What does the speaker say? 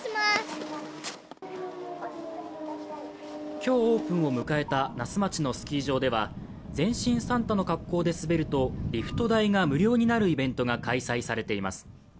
今日オープンを迎えた那須町のスキー場では全身サンタの格好で滑るとリフト代が無料になるイベントが開催されています。